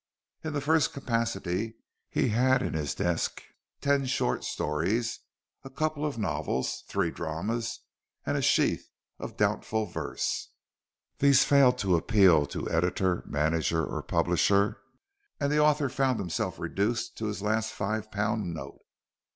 In the first capacity he had in his desk ten short stories, a couple of novels, three dramas and a sheaf of doubtful verses. These failed to appeal to editor, manager or publisher, and their author found himself reduced to his last five pound note.